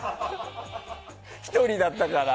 １人だったから。